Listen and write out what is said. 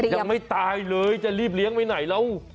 ยังไม่ตายเลยจะรีบเลี้ยงไว้ไหนแล้ว